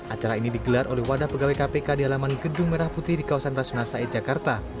acara ini digelar oleh wadah pegawai kpk di halaman gedung merah putih di kawasan rasuna said jakarta